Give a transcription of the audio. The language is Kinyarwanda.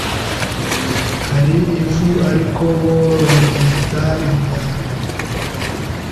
hari ivu ariko bo baryita imyanda